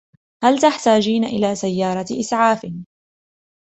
هل تحتاجين إلى سيارة إسعاف ؟